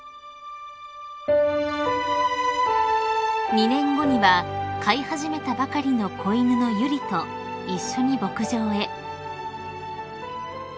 ［２年後には飼い始めたばかりの子犬の由莉と一緒に牧場へ］